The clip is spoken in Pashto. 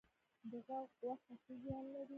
د غوا غوښه څه زیان لري؟